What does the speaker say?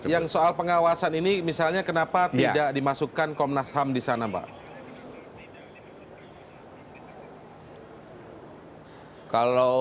yang soal pengawasan ini misalnya kenapa tidak dimasukkan komnas ham di sana pak